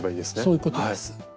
そういうことです。